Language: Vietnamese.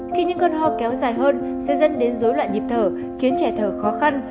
khi những cơn ho kéo dài hơn sẽ dẫn đến dối loạn nhịp thở khiến trẻ thở khó khăn